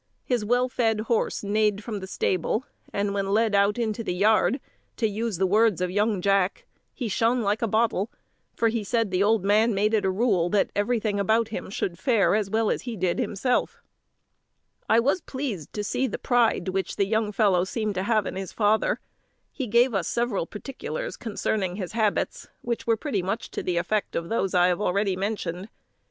His well fed horse neighed from the stable, and when led out into the yard, to use the words of young Jack, "he shone like a bottle;" for he said the old man made it a rule that everything about him should fare as well as he did himself. [Illustration: "He shone like a bottle"] I was pleased to see the pride which the young fellow seemed to have of his father. He gave us several particulars concerning his habits, which were pretty much to the effect of those I have already mentioned.